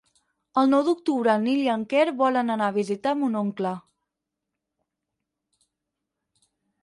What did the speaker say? El nou d'octubre en Nil i en Quer volen anar a visitar mon oncle.